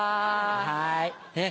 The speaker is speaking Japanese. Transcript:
はい。